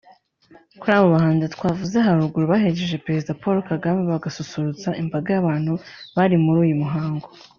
Kuri abo bahanzi twavuze haruguru baherekeje Perezida Paul Kagame bagasusurutsa imbaga y’abantu bari muri uyu muhango